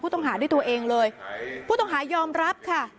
ต้องหาด้วยตัวเองเลยผู้ต้องหายอมรับค่ะ